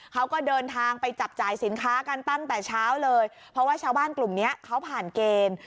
เขาก็เดินทางไปจับจ่ายสินค้ากันตั้งแต่เช้าเลยเพราะว่าชาวบ้านกลุ่มเนี้ยเขาผ่านเกณฑ์